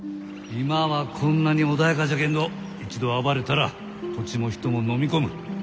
今はこんなに穏やかじゃけんど一度暴れたら土地も人ものみ込む。